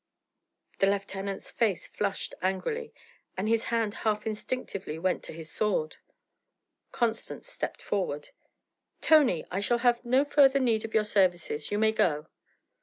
The lieutenant's face flushed angrily, and his hand half instinctively went to his sword. Constance stepped forward. 'Tony! I shall have no further need of your services. You may go.'